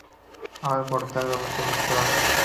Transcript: আবার পড়, তাহলে অবশ্যই বুঝতে পারবে।